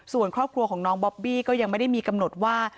ส่วนครอบครัวของน้องบอบบี้ก็ยังไม่ได้มีกำหนดว่า